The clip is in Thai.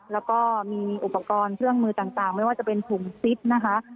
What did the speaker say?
แล้วก็มีอุปกรณ์เครื่องมือต่างไม่ว่าจะเป็นถุงซิปนะคะ